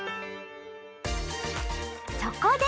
そこで！